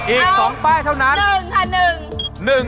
อีก๒ป้ายเท่านั้น